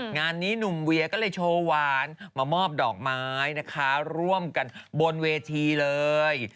งานนี้หนุ่มเวียก็เลยโชว์หวานมามอบดอกไม้นะคะร่วมกันบนเวทีเลย